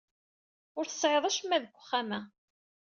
Ur tesɛid acemma deg uxxam-a.